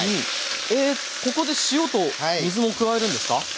えっここで塩と水を加えるんですか？